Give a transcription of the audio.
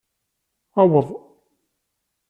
Aweḍ.